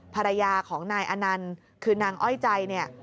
ภรรยาของนายอนันต์คือนางอ้อยใจเนี่ย